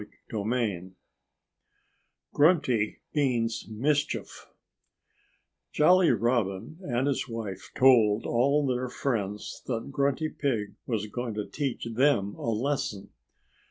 (Page 57)] XV GRUNTY MEANS MISCHIEF Jolly Robin and his wife told all their friends that Grunty Pig was going to teach them a lesson.